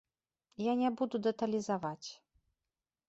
Я не буду дэталізаваць.